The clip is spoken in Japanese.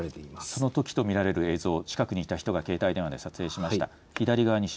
そのときと見られる映像近くの人が携帯電話で撮影しました。